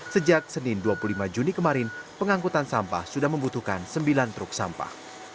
sejak senin dua puluh lima juni kemarin pengangkutan sampah sudah membutuhkan sembilan truk sampah